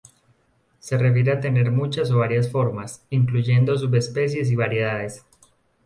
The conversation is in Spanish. Se refiere a tener muchas o varias formas, incluyendo subespecies y variedades.